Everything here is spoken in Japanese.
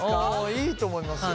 いいと思いますよ。